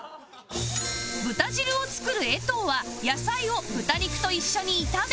豚汁を作る衛藤は野菜を豚肉と一緒に炒め